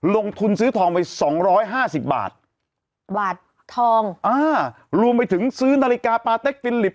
ลงทุนซื้อทองไปสองร้อยห้าสิบบาทบาททองอ่ารวมไปถึงซื้อนาฬิกาปาเต็กฟิลิป